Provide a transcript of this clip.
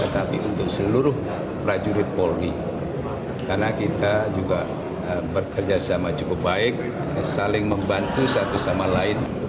tapi untuk seluruh prajurit polri karena kita juga bekerja sama cukup baik saling membantu satu sama lain